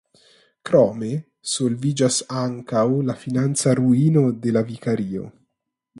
Krome solviĝas ankaŭ la financa ruino de la vikario.